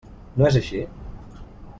No és així?